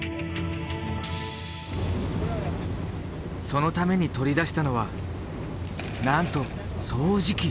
そのために取り出したのはなんと掃除機！